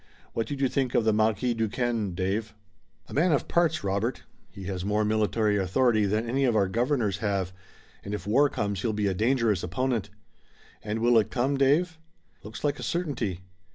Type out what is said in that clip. What did you think of the Marquis Duquesne, Dave?" "A man of parts, Robert. He has more military authority than any of our Governors have, and if war comes he'll be a dangerous opponent." "And it will come, Dave?" "Looks like a certainty.